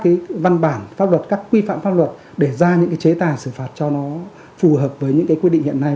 cái văn bản pháp luật các quy phạm pháp luật để ra những cái chế tài xử phạt cho nó phù hợp với những cái quy định hiện nay